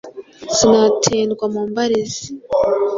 Sinatendwa mu mbare ze.